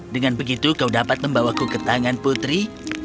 dengan begitu kau dapat membawaku ke tangan putri